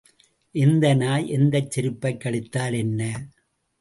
எந்த நாய் எந்தச் செருப்பைக் கடித்தால் என்ன?